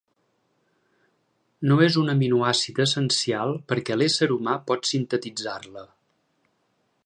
No és un aminoàcid essencial perquè l'ésser humà pot sintetitzar-la.